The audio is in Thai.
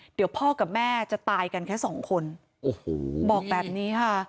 เดี๋ยวพ่อกับแม่จะตายกันแค่สองคนโอ้โหบอกแบบนี้ค่ะ